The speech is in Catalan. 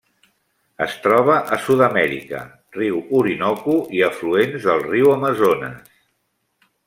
Es troba a Sud-amèrica: riu Orinoco i afluents del riu Amazones.